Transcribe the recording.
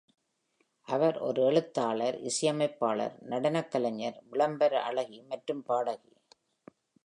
அவர் ஒரு எழுத்தாளர்-இசையமைப்பாளர், நடனக் கலைஞர், விளம்பர அழகி மற்றும் பாடகி.